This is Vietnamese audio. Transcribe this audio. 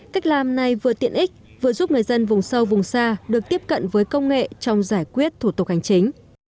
cách làm này vừa tiện ích vừa giúp người dân vùng sâu vùng xa được tiếp cận với công nghệ trong giải quyết thủ tục hành chính